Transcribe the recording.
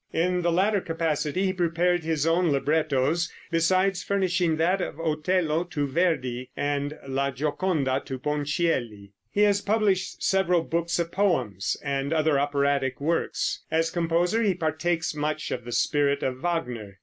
In the latter capacity he prepared his own librettos, besides furnishing that of "Otello" to Verdi and "La Gioconda" to Ponchielli. He has published several books of poems, and other operatic books. As composer he partakes much of the spirit of Wagner.